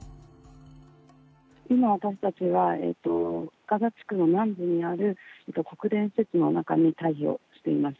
今、私たちはガザ地区の南部にある国連施設の中に退避をしています。